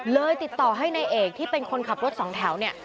เลยติดต่อให้นายเอกที่เป็นคนขับรถสองแถว